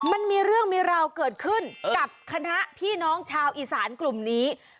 มันมีเรื่องมีราวเกิดขึ้นกับคณะพี่น้องชาวอีสานกลุ่มนี้